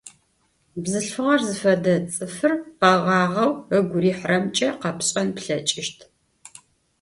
Bzılhfığer zıfede ts'ıfır kheğağeu ıgu rihıremç'e khepş'en plheç'ışt.